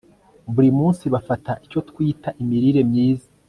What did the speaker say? buri munsi bafata icyo twita imirire myiza